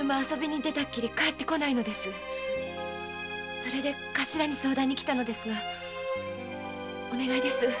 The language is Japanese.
それで頭に相談に来たのですがお願いです。